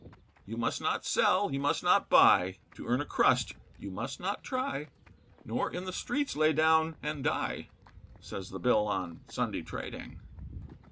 You must not sell, you must not buy, To earn a crust you must not try, Nor in the streets lay down and die, Says the Bill on Sunday trading.